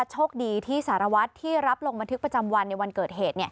โชคดีที่สารวัตรที่รับลงบันทึกประจำวันในวันเกิดเหตุ